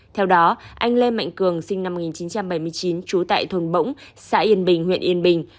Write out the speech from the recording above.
theo đó anh lê mạnh cường sinh năm một nghìn chín trăm bảy mươi chín trú tại thôn bỗng xã yên bình huyện yên bình